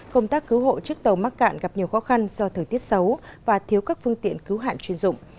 công tác cứu hộ chiếc tàu mắc cạn gặp nhiều khó khăn do thời tiết xấu và thiếu các phương tiện cứu hạn chuyên dụng